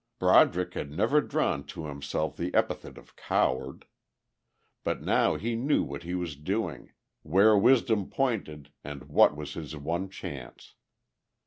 Broderick had never drawn to himself the epithet of coward. But now he knew what he was doing, where wisdom pointed and what was his one chance.